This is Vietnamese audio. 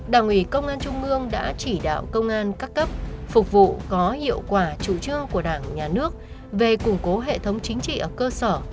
đảng ủy công an trung ương đã chỉ đạo công an các cấp phục vụ có hiệu quả chủ trương của đảng nhà nước về củng cố hệ thống chính trị ở cơ sở